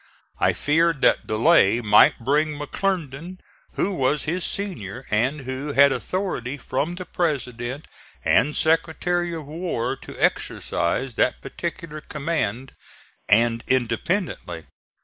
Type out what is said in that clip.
I feared that delay might bring McClernand, who was his senior and who had authority from the President and Secretary of War to exercise that particular command, and independently.